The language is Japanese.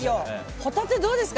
ホタテ、どうですか？